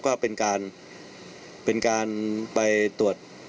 ก็เป็นการไปตรวจ